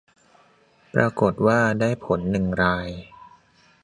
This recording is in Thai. ปรากฏว่าได้ผลหนึ่งราย